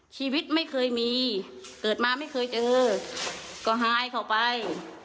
ชีวิตไม่เคยมีเกิดมาไม่เคยเจอก็หายเข้าไป